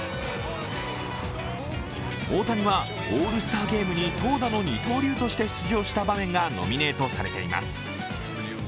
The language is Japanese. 大谷はオールスターゲームに投打の二刀流として出場した場面がノミネートされています。